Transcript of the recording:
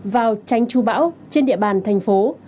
vào tránh trù bão trên địa bàn thành phố